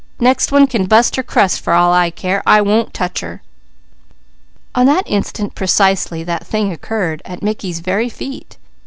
Next one can bust her crust for all I care! I won't touch her!" On the instant, precisely that thing occurred, at Mickey's very feet.